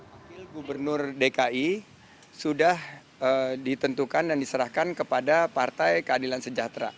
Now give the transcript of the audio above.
wakil gubernur dki sudah ditentukan dan diserahkan kepada partai keadilan sejahtera